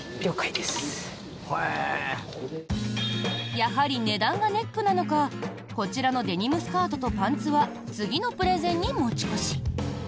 やはり値段がネックなのかこちらのデニムスカートとパンツは次のプレゼンに持ち越し。